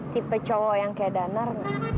tipe cowok yang kayak danar